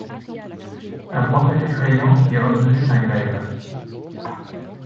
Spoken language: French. Un prophète effrayant qui recevait un glaive